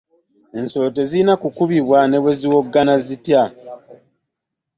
Ensolo tezirina kukubibwa nebweziwoggana zitya!